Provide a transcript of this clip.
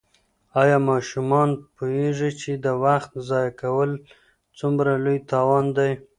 آیا ماشومان پوهېږي چې د وخت ضایع کول څومره لوی تاوان دی؟